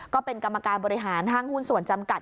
ก็เป็นกรรมการบริหารห้างหุ้นส่วนจำกัด